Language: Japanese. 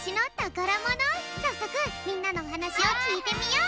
さっそくみんなのおはなしをきいてみよう。